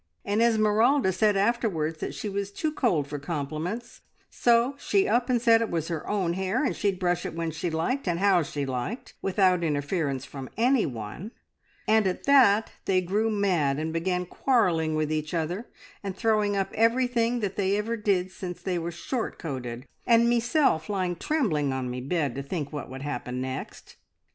And Esmeralda said afterwards that she was too cold for compliments, so she up and said it was her own hair, and she'd brush it when she liked, and how she liked, without interference from anyone; and at that they grew mad, and began quarrelling with each other, and throwing up everything that ever they did since they were short coated, and meself lying trembling on me bed, to think what would happen next.